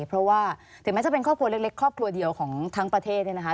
เพราะว่าถึงแม้จะเป็นครอบครัวเล็กครอบครัวเดียวของทั้งประเทศเนี่ยนะคะ